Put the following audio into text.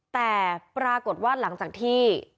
แต่ปรากฏว่าหลังจากที่